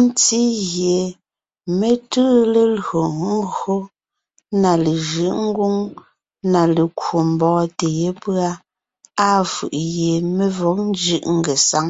Ntí gie mé tʉʉ lelÿò ńgÿo na lejʉ̌ʼ ngwóŋ na lekwò mbɔ́ɔntè yépʉ́a, á fʉ̀ʼ gie mé vɔ̌g ńjʉ́ʼ ngesáŋ.